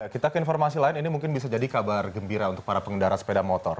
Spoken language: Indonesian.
kita ke informasi lain ini mungkin bisa jadi kabar gembira untuk para pengendara sepeda motor